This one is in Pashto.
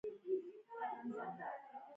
لنډ مهاله اوربند به دوام ونه کړي